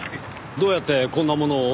どうやってこんなものを？